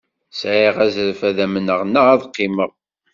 Sɛiɣ azref ad amneɣ neɣ ad qqimeɣ.